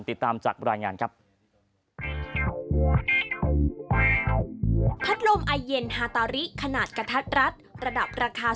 ติดตามจากรายงานครับ